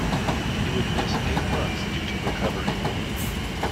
He would miss eight months due to recovery.